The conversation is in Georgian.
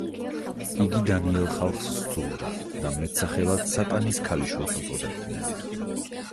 იგი დანიელ ხალხს სძულდა და მეტსახელად „სატანის ქალიშვილს“ უწოდებდნენ.